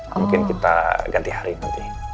mungkin kita ganti hari nanti